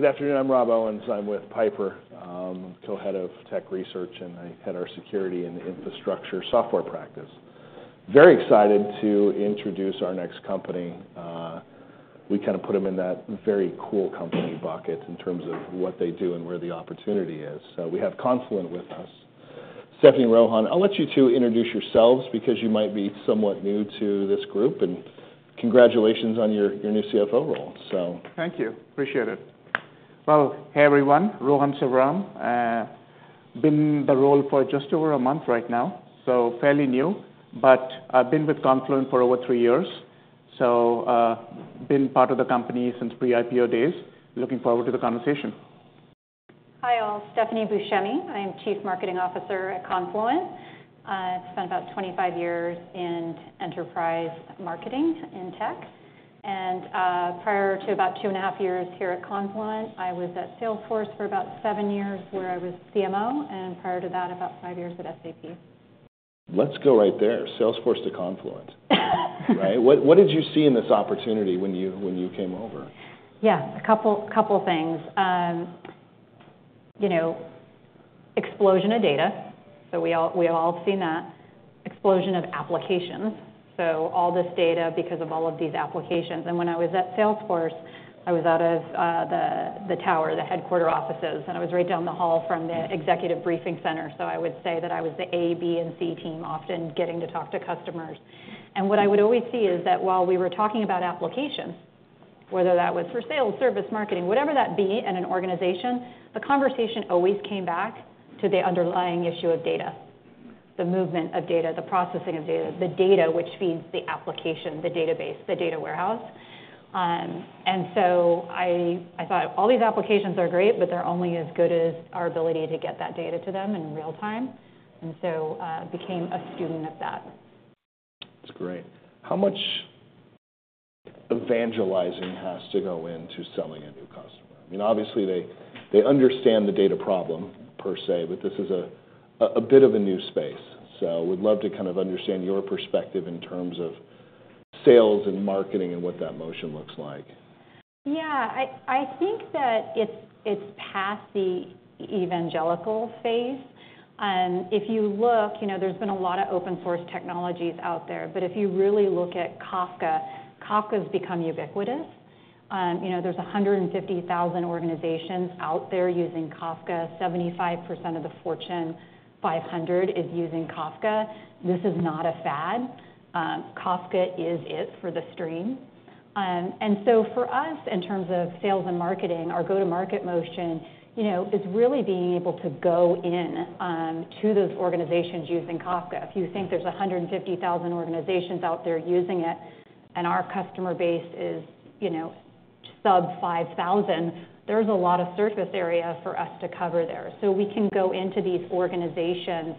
Good afternoon, I'm Rob Owens. I'm with Piper, Co-Head of Tech Research, and I head our security and infrastructure software practice. Very excited to introduce our next company. We kind of put them in that very cool company bucket in terms of what they do and where the opportunity is. So we have Confluent with us. Stephanie, Rohan, I'll let you two introduce yourselves because you might be somewhat new to this group, and congratulations on your new CFO role, so. Thank you. Appreciate it. Well, hey, everyone, Rohan Sivaram. Been in the role for just over a month right now, so fairly new, but I've been with Confluent for over three years. So, been part of the company since pre-IPO days. Looking forward to the conversation. Hi, all. Stephanie Buscemi. I am CMO at Confluent. I've spent about 25 years in enterprise marketing in tech, and prior to about 2.5 years here at Confluent, I was at Salesforce for about seven years, where I was CMO, and prior to that, about five years at SAP. Let's go right there, Salesforce to Confluent. Right? What, what did you see in this opportunity when you, when you came over? Yeah, a couple things. You know, explosion of data, so we've all seen that. Explosion of applications, so all this data because of all of these applications. When I was at Salesforce, I was out of the tower, the headquarters offices, and I was right down the hall from the executive briefing center, so I would say that I was the A, B, and C team, often getting to talk to customers. What I would always see is that while we were talking about applications, whether that was for sales, service, marketing, whatever that be in an organization, the conversation always came back to the underlying issue of data, the movement of data, the processing of data, the data which feeds the application, the database, the data warehouse. and so I thought all these applications are great, but they're only as good as our ability to get that data to them in real time, and so became a student of that. That's great. How much evangelizing has to go into selling a new customer? I mean, obviously, they, they understand the data problem per se, but this is a bit of a new space, so would love to kind of understand your perspective in terms of sales and marketing and what that motion looks like. Yeah, I think that it's past the evangelical phase. If you look, you know, there's been a lot of open source technologies out there, but if you really look at Kafka, Kafka's become ubiquitous. You know, there's 150,000 organizations out there using Kafka. 75% of the Fortune 500 is using Kafka. This is not a fad. Kafka is it for the stream. And so for us, in terms of sales and marketing, our go-to-market motion, you know, is really being able to go in to those organizations using Kafka. If you think there's 150,000 organizations out there using it, and our customer base is, you know, sub-5,000, there's a lot of surface area for us to cover there. We can go into these organizations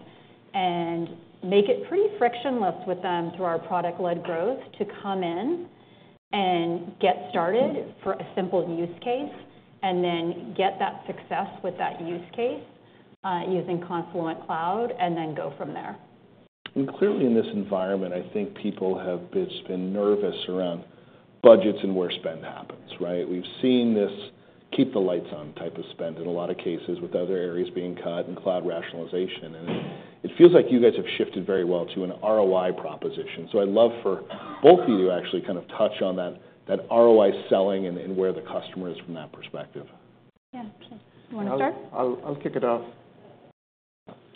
and make it pretty frictionless with them through our product-led growth to come in and get started for a simple use case, and then get that success with that use case, using Confluent Cloud, and then go from there. And clearly, in this environment, I think people have been nervous around budgets and where spend happens, right? We've seen this keep the lights on type of spend in a lot of cases, with other areas being cut and cloud rationalization. And it feels like you guys have shifted very well to an ROI proposition. So I'd love for both of you to actually kind of touch on that ROI selling and where the customer is from that perspective. Yeah. Okay, you want to start? I'll kick it off.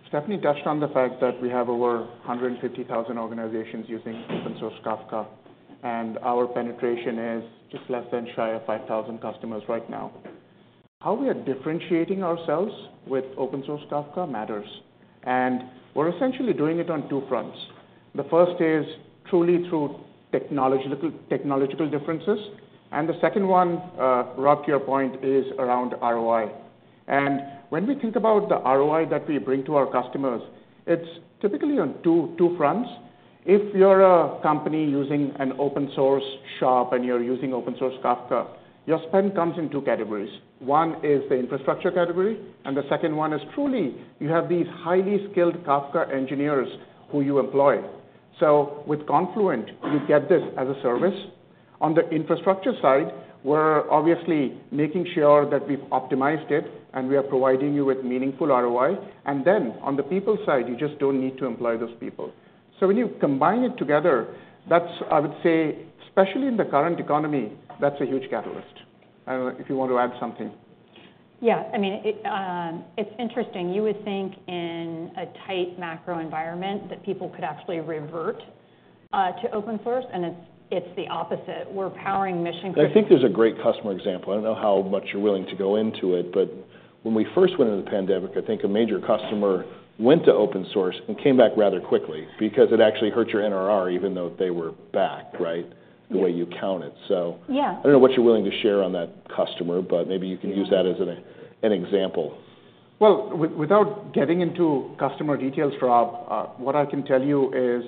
Stephanie touched on the fact that we have over 150,000 organizations using open-source Kafka, and our penetration is just less than shy of 5,000 customers right now. How we are differentiating ourselves with open-source Kafka matters, and we're essentially doing it on two fronts. The first is truly through technological differences, and the second one, Rob, to your point, is around ROI. And when we think about the ROI that we bring to our customers, it's typically on two fronts. If you're a company using an open-source shop, and you're using open-source Kafka, your spend comes in two categories. One is the infrastructure category, and the second one is truly you have these highly skilled Kafka engineers who you employ. So with Confluent, you get this as a service. On the infrastructure side, we're obviously making sure that we've optimized it, and we are providing you with meaningful ROI. And then on the people side, you just don't need to employ those people. So when you combine it together, that's... I would say, especially in the current economy, that's a huge catalyst. I don't know if you want to add something. Yeah, I mean, it's interesting. You would think in a tight macro environment that people could actually revert to open source, and it's the opposite. We're powering mission- I think there's a great customer example. I don't know how much you're willing to go into it, but when we first went into the pandemic, I think a major customer went to open source and came back rather quickly because it actually hurt your NRR, even though they were back, right? Yeah. The way you count it, so- Yeah. I don't know what you're willing to share on that customer, but maybe you can use that as an example. Well, without getting into customer details, Rob, what I can tell you is,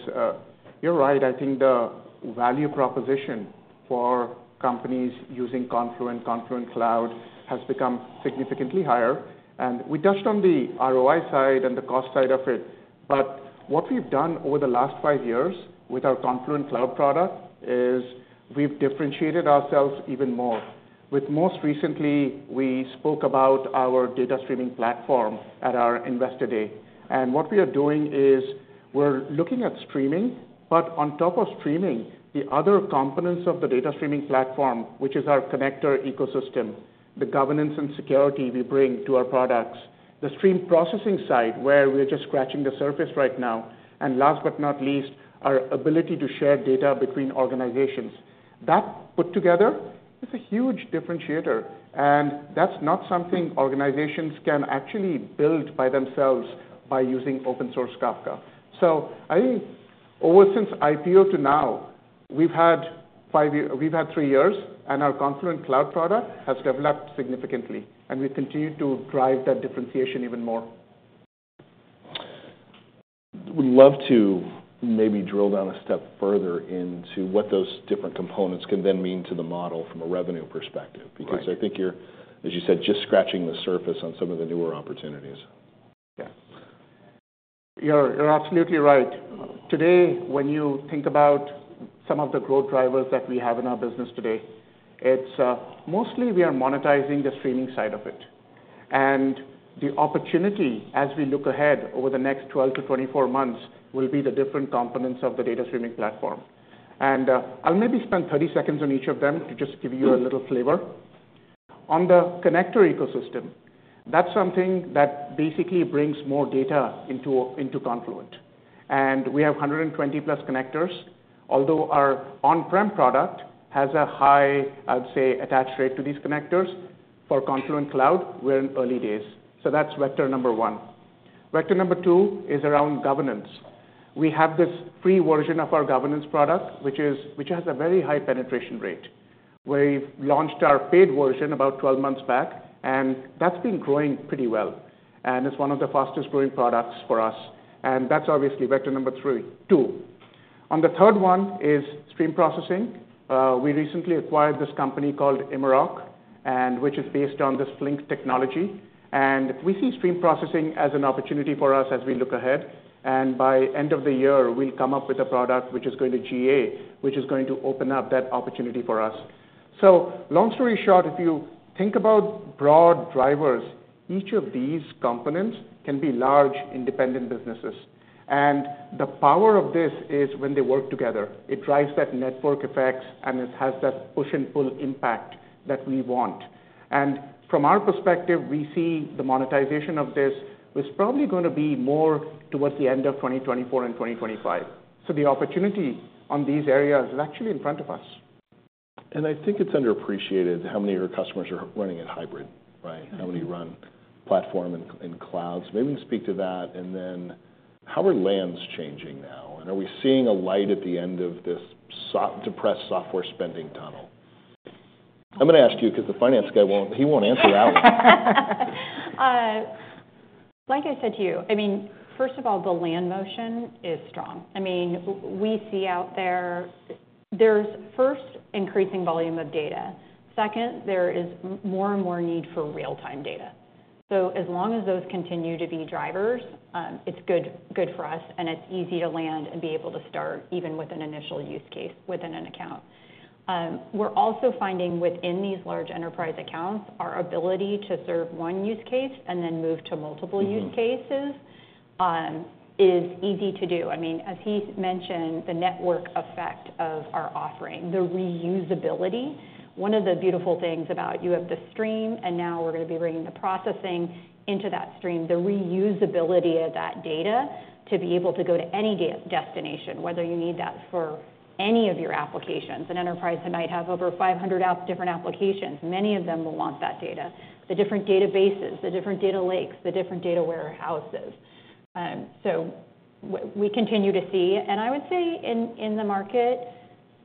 you're right. I think the value proposition for companies using Confluent, Confluent Cloud, has become significantly higher, and we touched on the ROI side and the cost side of it, but what we've done over the last five years with our Confluent Cloud product is we've differentiated ourselves even more, with most recently, we spoke about our data streaming platform at our Investor Day. And what we are doing is we're looking at streaming, but on top of streaming, the other components of the data streaming platform, which is our connector ecosystem, the governance and security we bring to our products, the stream processing side, where we're just scratching the surface right now, and last but not least, our ability to share data between organizations. That put together, is a huge differentiator, and that's not something organizations can actually build by themselves by using open source Kafka. So I think ever since IPO to now, we've had three years, and our Confluent Cloud product has developed significantly, and we continue to drive that differentiation even more. Would love to maybe drill down a step further into what those different components can then mean to the model from a revenue perspective. Right. Because I think you're, as you said, just scratching the surface on some of the newer opportunities. Yeah. You're, you're absolutely right. Today, when you think about some of the growth drivers that we have in our business today, it's mostly we are monetizing the streaming side of it. And the opportunity, as we look ahead over the next 12-24 months, will be the different components of the data streaming platform. And I'll maybe spend 30 seconds on each of them to just give you a little flavor. On the connector ecosystem, that's something that basically brings more data into, into Confluent, and we have 120+ connectors. Although our on-prem product has a high, I'd say, attach rate to these connectors, for Confluent Cloud, we're in early days. So that's vector number 1. Vector number 2 is around governance. We have this free version of our governance product, which is, which has a very high penetration rate. We've launched our paid version about 12 months back, and that's been growing pretty well, and it's one of the fastest growing products for us. And that's obviously vector number three-- two. On the third one is stream processing. We recently acquired this company called Immerok, and which is based on this Flink technology. And we see stream processing as an opportunity for us as we look ahead, and by end of the year, we'll come up with a product which is going to GA, which is going to open up that opportunity for us. So long story short, if you think about broad drivers, each of these components can be large, independent businesses. And the power of this is when they work together, it drives that network effects, and it has that push and pull impact that we want. From our perspective, we see the monetization of this is probably gonna be more towards the end of 2024 and 2025. So the opportunity on these areas is actually in front of us. I think it's underappreciated how many of your customers are running it hybrid, right? How many run platform in clouds? Maybe you can speak to that, and then how are plans changing now? And are we seeing a light at the end of this so depressed software spending tunnel? I'm gonna ask you, because the finance guy won't. He won't answer that one. Like I said to you, I mean, first of all, the land motion is strong. I mean, we see out there... There's, first, increasing volume of data. Second, there is more and more need for real-time data. So as long as those continue to be drivers, it's good, good for us, and it's easy to land and be able to start, even with an initial use case within an account. We're also finding within these large enterprise accounts, our ability to serve one use case and then move to multiple- Mm-hmm... use cases is easy to do. I mean, as he mentioned, the network effect of our offering, the reusability. One of the beautiful things about, you have the stream, and now we're gonna be bringing the processing into that stream, the reusability of that data to be able to go to any destination, whether you need that for any of your applications. An enterprise that might have over 500 different applications, many of them will want that data. The different databases, the different data lakes, the different data warehouses. So we continue to see, and I would say in the market,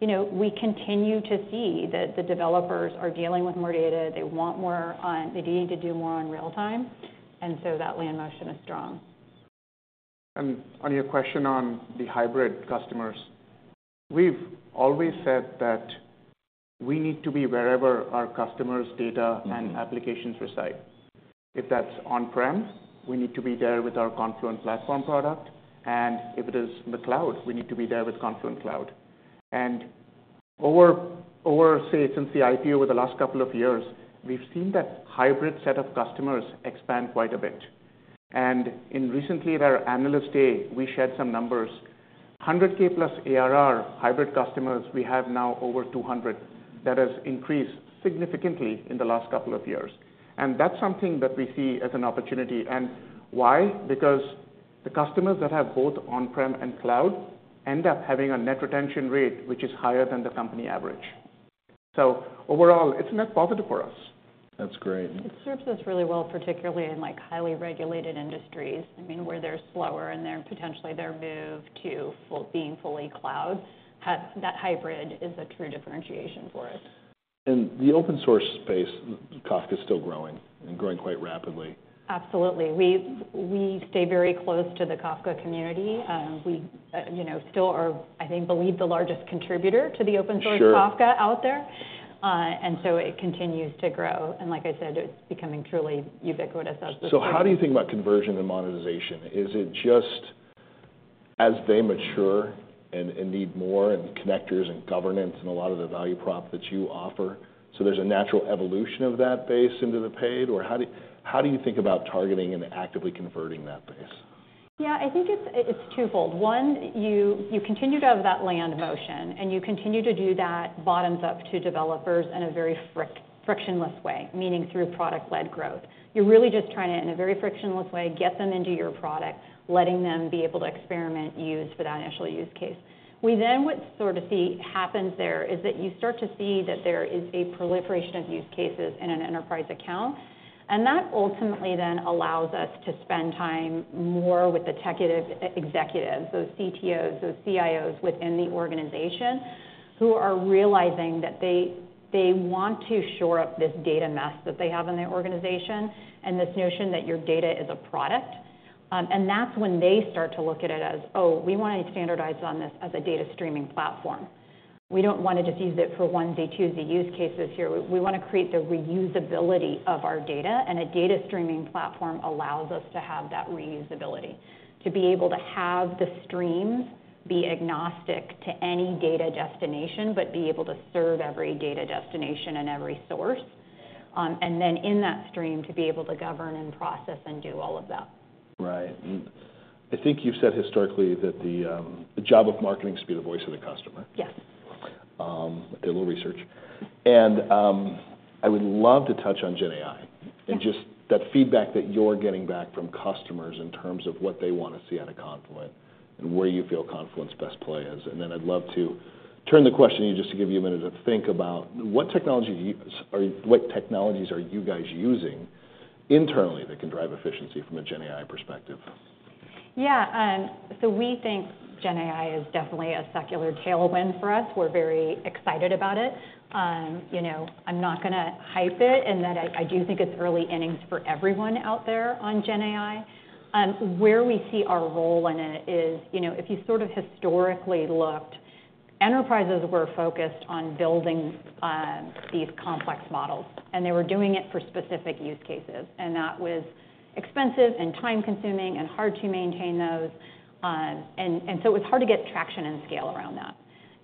you know, we continue to see that the developers are dealing with more data. They want more, they need to do more on real time, and so that LAN motion is strong. On your question on the hybrid customers, we've always said that we need to be wherever our customers' data and applications reside. If that's on-prem, we need to be there with our Confluent Platform product, and if it is in the cloud, we need to be there with Confluent Cloud. And over, say, since the IPO over the last couple of years, we've seen that hybrid set of customers expand quite a bit. And recently, at our Analyst Day, we shared some numbers. 100K+ ARR hybrid customers, we have now over 200. That has increased significantly in the last couple of years, and that's something that we see as an opportunity. And why? Because the customers that have both on-prem and cloud end up having a net retention rate which is higher than the company average. So overall, it's a net positive for us. That's great. It serves us really well, particularly in, like, highly regulated industries, I mean, where they're slower, and they're potentially their move to full being fully cloud, that hybrid is a true differentiation for us. The open source space, Kafka is still growing and growing quite rapidly. Absolutely. We stay very close to the Kafka community. You know, we still are, I think, believe, the largest contributor to the open source- Sure... Kafka out there. And so it continues to grow. And like I said, it's becoming truly ubiquitous as we speak. So how do you think about conversion and monetization? Is it just as they mature and need more in connectors and governance, and a lot of the value prop that you offer, so there's a natural evolution of that base into the paid? Or how do you think about targeting and actively converting that base? Yeah, I think it's, it's twofold. One, you, you continue to have that land motion, and you continue to do that bottoms up to developers in a very frictionless way, meaning through product-led growth. You're really just trying to, in a very frictionless way, get them into your product, letting them be able to experiment, use for that initial use case. We then, what sort of see happens there, is that you start to see that there is a proliferation of use cases in an enterprise account, and that ultimately then allows us to spend time more with the tech-savvy executives, those CTOs, those CIOs within the organization, who are realizing that they, they want to shore up this data mess that they have in their organization, and this notion that your data is a product. That's when they start to look at it as, "Oh, we wanna standardize on this as a data streaming platform. We don't wanna just use it for one day, two day use cases here. We, we wanna create the reusability of our data, and a data streaming platform allows us to have that reusability." To be able to have the streams be agnostic to any data destination, but be able to serve every data destination and every source. Then in that stream, to be able to govern and process and do all of that. Right. And I think you've said historically that the job of marketing is to be the voice of the customer. Yes. I did a little research. I would love to touch on GenAI- Yes... and just that feedback that you're getting back from customers in terms of what they wanna see out of Confluent, and where you feel Confluent's best play is. And then I'd love to turn the question to you, just to give you a minute to think about, what technologies are you guys using internally that can drive efficiency from a GenAI perspective? Yeah, so we think GenAI is definitely a secular tailwind for us. We're very excited about it. You know, I'm not gonna hype it, in that I do think it's early innings for everyone out there on GenAI. Where we see our role in it is, you know, if you sort of historically looked, enterprises were focused on building these complex models, and they were doing it for specific use cases, and that was expensive, and time consuming, and hard to maintain those. And so it was hard to get traction and scale around that.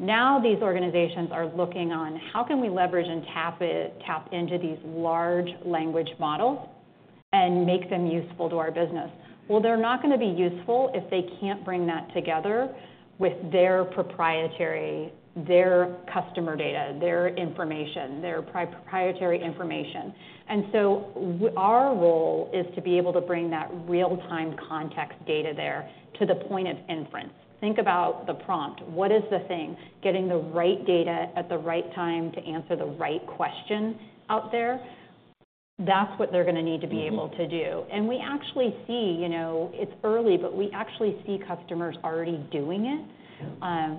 Now, these organizations are looking on, "How can we leverage and tap into these large language models and make them useful to our business?" Well, they're not gonna be useful if they can't bring that together with their proprietary, their customer data, their information, their proprietary information. And so our role is to be able to bring that real-time context data there to the point of inference. Think about the prompt. What is the thing? Getting the right data at the right time to answer the right question out there, that's what they're gonna need to be able to do. Mm-hmm. We actually see, you know, it's early, but we actually see customers already doing it.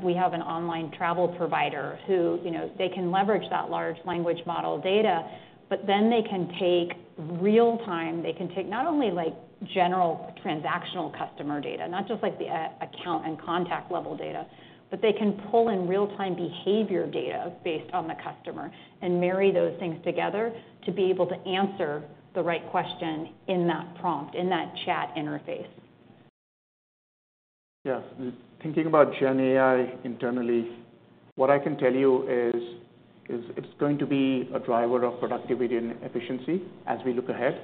We have an online travel provider who, you know, they can leverage that large language model data, but then they can take real time... They can take not only, like, general transactional customer data, not just like the account and contact-level data, but they can pull in real-time behavior data based on the customer and marry those things together to be able to answer the right question in that prompt, in that chat interface. Yeah. Thinking about GenAI internally, what I can tell you is it's going to be a driver of productivity and efficiency as we look ahead.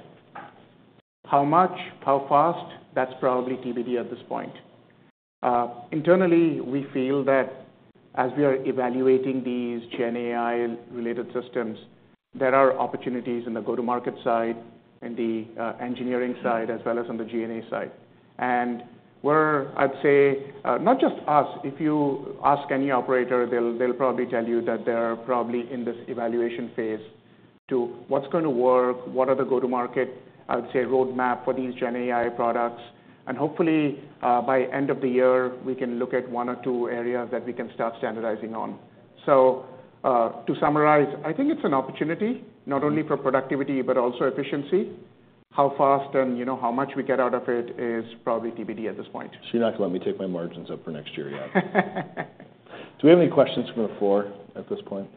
How much, how fast? That's probably TBD at this point. Internally, we feel that as we are evaluating these GenAI-related systems, there are opportunities in the go-to-market side, in the engineering side, as well as on the G&A side. And we're, I'd say, not just us, if you ask any operator, they'll probably tell you that they're probably in this evaluation phase to what's gonna work, what are the go-to-market, I would say, roadmap for these GenAI products. And hopefully, by end of the year, we can look at one or two areas that we can start standardizing on. So, to summarize, I think it's an opportunity, not only for productivity, but also efficiency. How fast and, you know, how much we get out of it is probably TBD at this point. So you're not gonna let me take my margins up for next year yet? Do we have any questions from the floor at this point?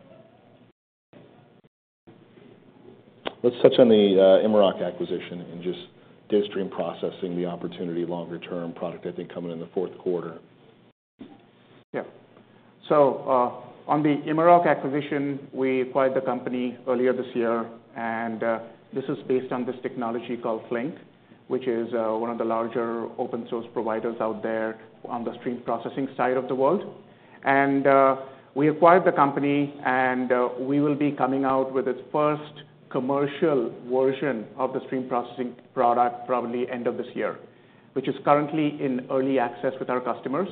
Let's touch on the, Immerok acquisition and just data stream processing, the opportunity longer term product, I think, coming in the Q4. Yeah. So, on the Immerok acquisition, we acquired the company earlier this year, and, this is based on this technology called Flink, which is, one of the larger open source providers out there on the stream processing side of the world. And, we acquired the company, and, we will be coming out with its first commercial version of the stream processing product probably end of this year, which is currently in early access with our customers.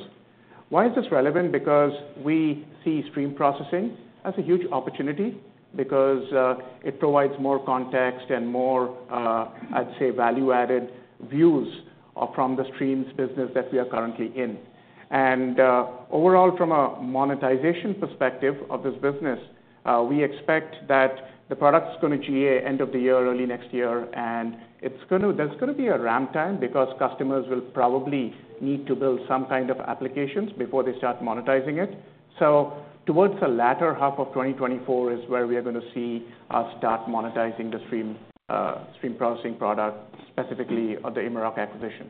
Why is this relevant? Because we see stream processing as a huge opportunity because, it provides more context and more, I'd say, value-added views, from the streams business that we are currently in. Overall, from a monetization perspective of this business, we expect that the product's gonna GA end of the year, early next year, and it's gonna, there's gonna be a ramp time, because customers will probably need to build some kind of applications before they start monetizing it. So towards the latter half of 2024 is where we are gonna see start monetizing the stream stream processing product, specifically of the Immerok acquisition.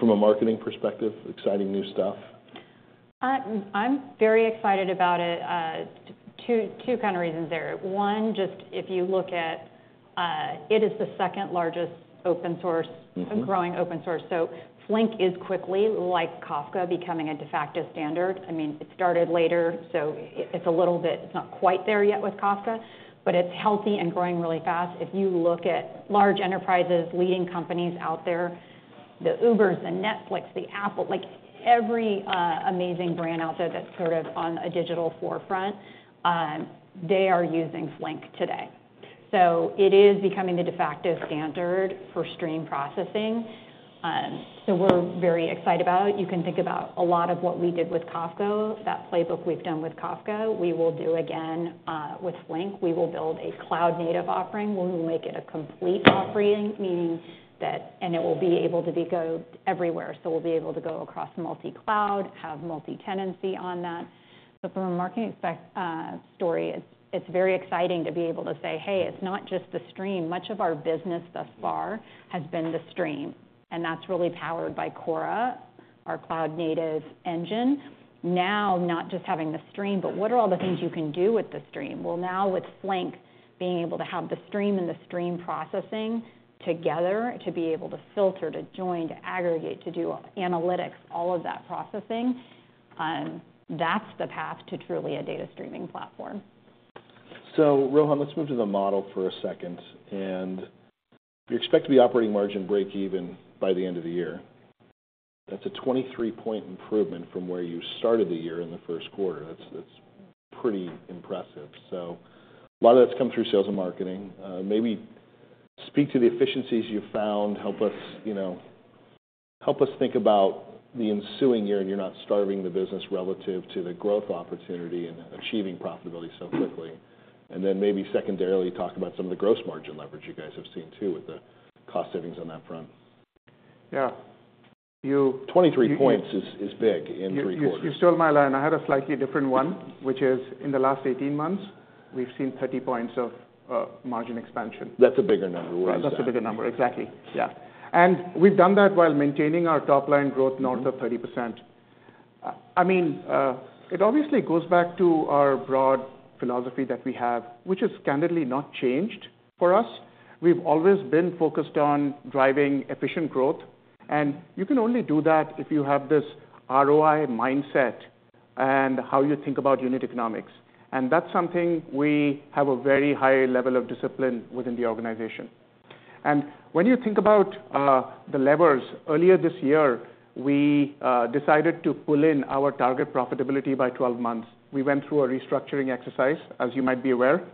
From a marketing perspective, exciting new stuff?... I'm very excited about it. Two kind of reasons there. One, just if you look at, it is the second-largest open source- Mm-hmm. A growing open source. So Flink is quickly, like Kafka, becoming a de facto standard. I mean, it started later, so it's a little bit—it's not quite there yet with Kafka, but it's healthy and growing really fast. If you look at large enterprises, leading companies out there, the Ubers, the Netflix, the Apple, like, every, like, amazing brand out there that's sort of on a digital forefront, they are using Flink today. So it is becoming the de facto standard for stream processing. So we're very excited about it. You can think about a lot of what we did with Kafka, that playbook we've done with Kafka, we will do again, with Flink. We will build a cloud-native offering, where we will make it a complete offering, meaning that... And it will be able to go everywhere. So we'll be able to go across multi-cloud, have multi-tenancy on that. So from a marketing perspective story, it's very exciting to be able to say, "Hey, it's not just the stream." Much of our business thus far has been the stream, and that's really powered by Kora, our cloud-native engine. Now, not just having the stream, but what are all the things you can do with the stream? Well, now with Flink, being able to have the stream and the stream processing together, to be able to filter, to join, to aggregate, to do analytics, all of that processing, that's the path to truly a data streaming platform. So Rohan, let's move to the model for a second. You expect the operating margin break even by the end of the year. That's a 23-point improvement from where you started the year in the Q1. That's, that's pretty impressive. So a lot of that's come through sales and marketing. Maybe speak to the efficiencies you've found. Help us, you know, help us think about the ensuing year, and you're not starving the business relative to the growth opportunity and achieving profitability so quickly. Then maybe secondarily, talk about some of the gross margin leverage you guys have seen, too, with the cost savings on that front. Yeah. You- 23 points is big in three quarters. You, you stole my line. I had a slightly different one, which is, in the last 18 months, we've seen 30 points of margin expansion. That's a bigger number, well said. That's a bigger number, exactly, yeah. And we've done that while maintaining our top line growth north of 30%. I mean, it obviously goes back to our broad philosophy that we have, which has candidly not changed for us. We've always been focused on driving efficient growth, and you can only do that if you have this ROI mindset and how you think about unit economics. And that's something we have a very high level of discipline within the organization. And when you think about the levers, earlier this year, we decided to pull in our target profitability by 12 months. We went through a restructuring exercise, as you might be aware.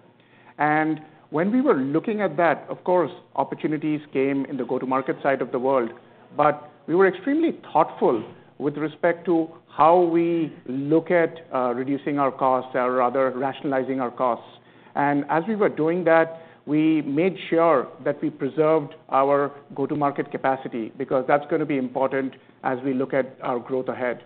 And when we were looking at that, of course, opportunities came in the go-to-market side of the world, but we were extremely thoughtful with respect to how we look at reducing our costs or rather rationalizing our costs. And as we were doing that, we made sure that we preserved our go-to-market capacity, because that's gonna be important as we look at our growth ahead.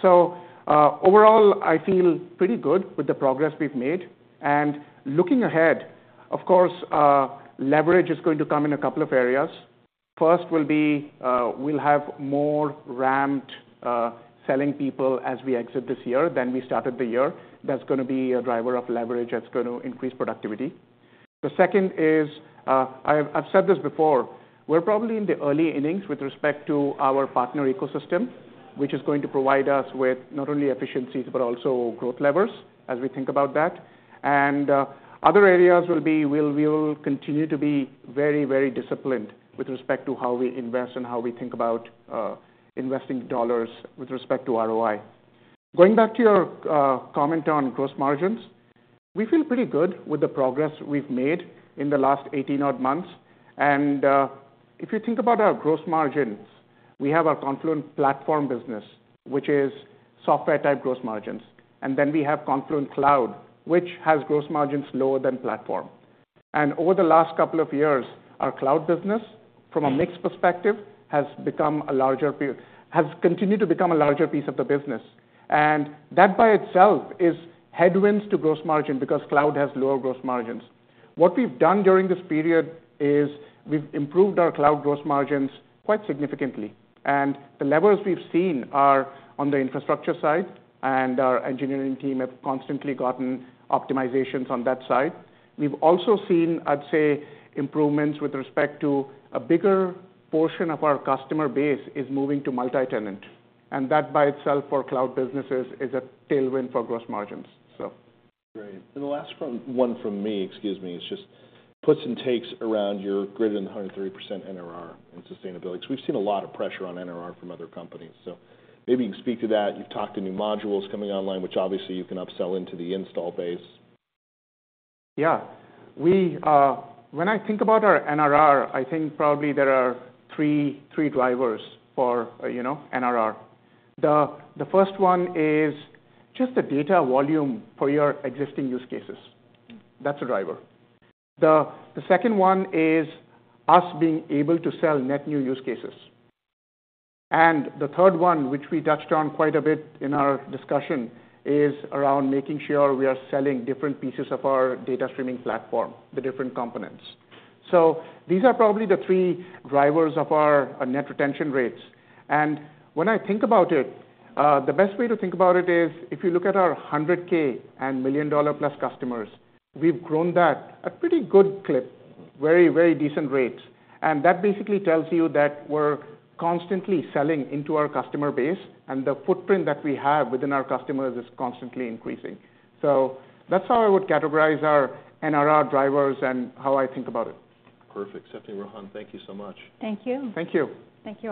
So, overall, I feel pretty good with the progress we've made. And looking ahead, of course, leverage is going to come in a couple of areas. First will be we'll have more ramped selling people as we exit this year than we started the year. That's gonna be a driver of leverage, that's gonna increase productivity. The second is, I've, I've said this before, we're probably in the early innings with respect to our partner ecosystem, which is going to provide us with not only efficiencies, but also growth levers as we think about that. Other areas will be, we'll, we will continue to be very, very disciplined with respect to how we invest and how we think about investing dollars with respect to ROI. Going back to your comment on gross margins, we feel pretty good with the progress we've made in the last 18 odd months. And if you think about our gross margins, we have our Confluent Platform business, which is software-type gross margins, and then we have Confluent Cloud, which has gross margins lower than Platform. Over the last couple of years, our cloud business, from a mix perspective, has continued to become a larger piece of the business. And that, by itself, is headwinds to gross margin, because cloud has lower gross margins. What we've done during this period is, we've improved our cloud gross margins quite significantly, and the levers we've seen are on the infrastructure side, and our engineering team have constantly gotten optimizations on that side. We've also seen, I'd say, improvements with respect to a bigger portion of our customer base is moving to multi-tenant, and that, by itself, for cloud businesses, is a tailwind for gross margins, so. Great. The last one, one from me, excuse me, is just puts and takes around your greater than 130% NRR and sustainability, because we've seen a lot of pressure on NRR from other companies, so maybe you can speak to that. You've talked to new modules coming online, which obviously you can upsell into the installed base. Yeah. We... When I think about our NRR, I think probably there are three, three drivers for, you know, NRR. The first one is just the data volume for your existing use cases. That's a driver. The second one is us being able to sell net new use cases. And the third one, which we touched on quite a bit in our discussion, is around making sure we are selling different pieces of our data streaming platform, the different components. So these are probably the three drivers of our net retention rates. And when I think about it, the best way to think about it is, if you look at our $100K and $1 million-plus customers, we've grown that a pretty good clip. Very, very decent rates. That basically tells you that we're constantly selling into our customer base, and the footprint that we have within our customers is constantly increasing. That's how I would categorize our NRR drivers and how I think about it. Perfect. Stephanie, Rohan, thank you so much. Thank you. Thank you. Thank you.